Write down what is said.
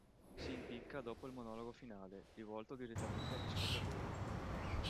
Si impicca dopo il monologo finale, rivolto direttamente agli spettatori.